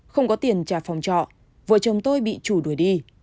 không có tiền trả phòng trọ vợ chồng tôi bị chủ đuổi đi